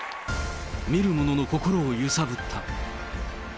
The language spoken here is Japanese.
見る者の心を揺さぶった。